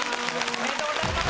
おめでとうございます！